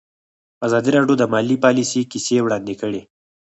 ازادي راډیو د مالي پالیسي کیسې وړاندې کړي.